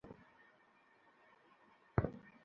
তোমরা আমারই উম্মত আর আমিই তোমাদের নবী।